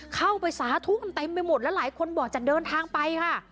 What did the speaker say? เข้าไปสาธุกันเต็มไปหมดแล้วหลายคนบอกจะเดินทางไปค่ะ